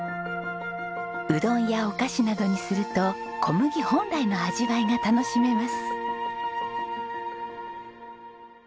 うどんやお菓子などにすると小麦本来の味わいが楽しめます。